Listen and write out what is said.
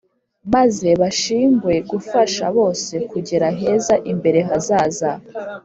Maze bashingwe gufasha bose Kugera heza imbere hazaza.